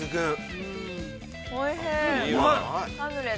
◆おいしい。